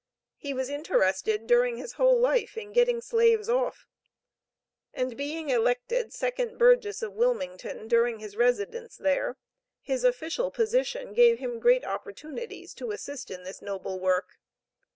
He was interested during his whole life in getting slaves off. And being elected second burgess of Wilmington during his residence there, his official position gave him great opportunities to assist in this noble work.